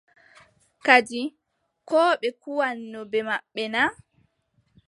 Kadi koo ɓe kuwanno bee maɓɓe na ?